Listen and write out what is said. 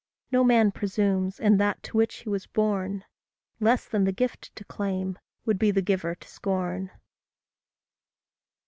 No man presumes in that to which he was born; Less than the gift to claim, would be the giver to scorn.